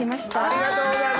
ありがとうございます。